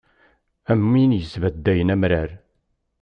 Am win i yesbeddayen amrar.